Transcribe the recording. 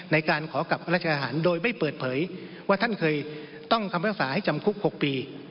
ในการขอกลับพระราชทานโดยไม่เปิดเผยว่าท่านเคยต้องคำภาษาให้จำคุก๖ปี